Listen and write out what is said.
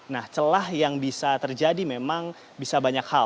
nah celah yang bisa terjadi memang bisa banyak hal